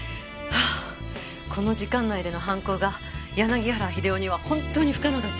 この時間内での犯行が柳原秀夫には本当に不可能だったか？